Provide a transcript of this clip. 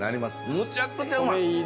むちゃくちゃうまい。